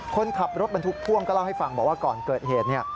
คนขับรถบรรทุกพ่วงก็เล่าให้ฟังบอกว่าก่อนเกิดเหตุ